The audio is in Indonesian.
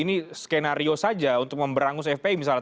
ini skenario saja untuk memberangus fpi misalnya